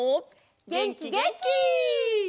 げんきげんき！